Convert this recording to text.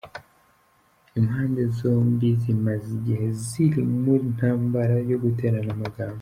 Impande zombi zimaze igihe ziri mu ntambara yo guterana amagambo.